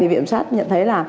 viện kiểm sát nhận thấy